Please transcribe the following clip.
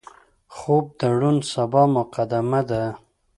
خوب د روڼ سبا مقدمه ده